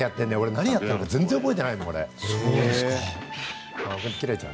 何をやったのか全然覚えてない。